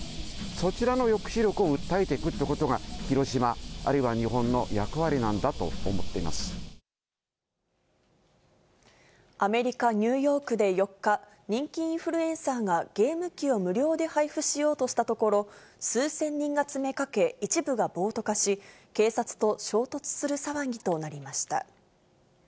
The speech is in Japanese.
そちらの抑止力を訴えていくということが、広島、あるいは日本のアメリカ・ニューヨークで４日、人気インフルエンサーがゲーム機を無料で配布しようとしたところ、数千人が詰めかけ、一部が暴徒化し、警察と衝突する騒ぎとなりました。